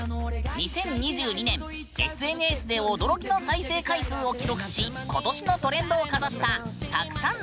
２０２２年ＳＮＳで驚きの再生回数を記録し今年のトレンドを飾ったたくさんのバズり曲！